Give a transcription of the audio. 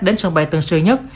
đến sân bay tân sư nhất